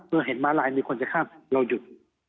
เห็นม้าลายมีคนจะข้ามเราหยุด